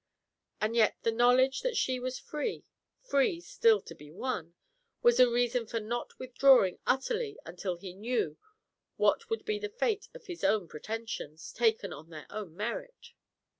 And yet the knowledge that she was free, free still to be won, was a reason for not withdrawing utterly until he knew what would be the fate of his own pretensions, taken on their own merit.